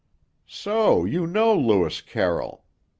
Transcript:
'" "So you know Lewis Carroll.